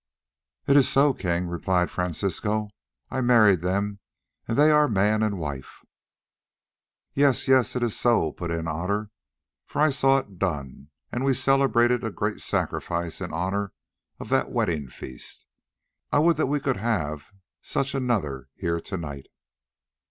"It is so, King," replied Francisco. "I married them, and they are man and wife." "Yes, yes, it is so," put in Otter, "for I saw it done, and we celebrated a great sacrifice in honour of that wedding feast. I would that we could have such another here to night."